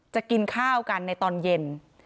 จะกินข้าวกันในตอนเย็น